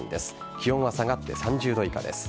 気温は下がって３０度以下です。